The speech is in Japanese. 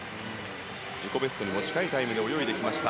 自己ベストにも近いタイムで泳ぎました。